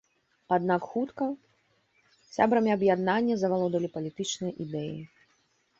Аднак хутка сябрамі аб'яднання завалодалі палітычныя ідэі.